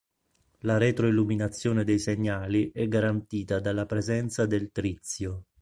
La retroilluminazione dei segnali è garantita dalla presenza del trizio.